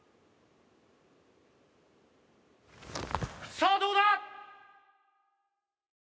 さあどうだ？